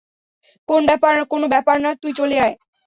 কোন ব্যাপার না, তুই চলে আয়।